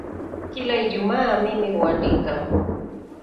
Kila ijumaa mimi huandika.